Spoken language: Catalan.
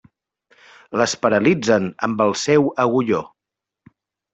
Les paralitzen amb el seu agulló.